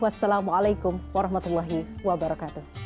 wassalamualaikum warahmatullahi wabarakatuh